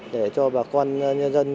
để cho bà con nhân dân